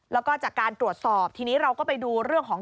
แล้วก็จากการตรวจสอบทีนี้เราก็ไปดูเรื่องของ